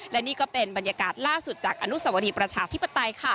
และนี่ก็เป็นบรรยากาศล่าสุดจากอนุสวรีประชาธิปไตยค่ะ